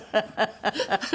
ハハハハ！